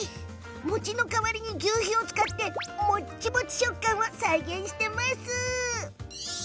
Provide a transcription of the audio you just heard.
餅の代わりにぎゅうひを使ってもちもち食感を再現しています。